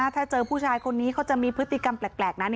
ถ้าเจอผู้ชายคนนี้เขาจะมีพฤติกรรมแปลกนั้น